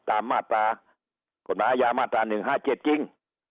ตามมาตราคุณอาญามาตรา๑๕๗จริง